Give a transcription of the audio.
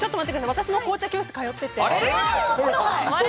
私も紅茶教室に通っていて。